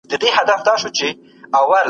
ټولنپوهنه د سولې علم هم دی.